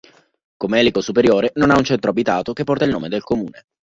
Comelico Superiore non ha un centro abitato che porta il nome del comune.